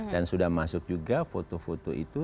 dan sudah masuk juga foto foto itu